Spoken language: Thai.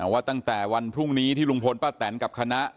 ว่าตั้งแต่วันพรุ่งนี้ที่ลุงพลป้าแตนกับคณะ